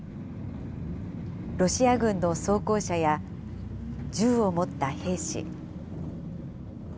ロシア軍の装甲車や銃を持った兵士。